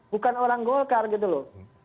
bukan orang golkar gitu loh